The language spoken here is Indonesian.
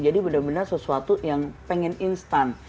jadi benar benar sesuatu yang pengen instan